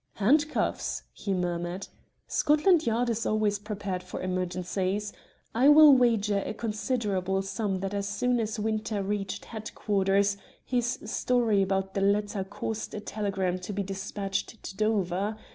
"Handcuffs!" he murmured. "Scotland Yard is always prepared for emergencies. I will wager a considerable sum that as soon as Winter reached headquarters his story about the letter caused a telegram to be despatched to Dover.